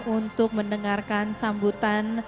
untuk mendengarkan sambutan